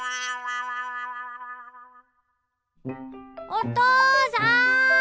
おとうさん！